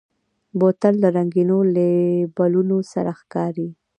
بوتل له رنګینو لیبلونو سره ښکاري.